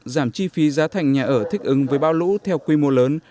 giảm chi phí giá thành nhà ở thích ứng với bão lũ theo quy mô lớn